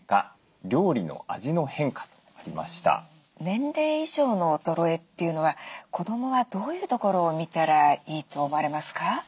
年齢以上の衰えというのは子どもはどういうところを見たらいいと思われますか？